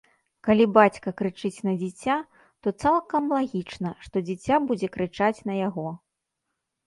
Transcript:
Калі бацька крычыць на дзіця, то цалкам лагічна, што дзіця будзе крычаць на яго.